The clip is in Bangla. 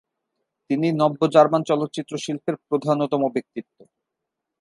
তিনি নব্য জার্মান চলচ্চিত্র শিল্পের প্রধানতম ব্যক্তিত্ব।